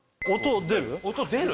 音出る？